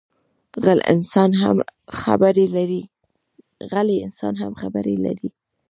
غلی انسان هم خبرې لري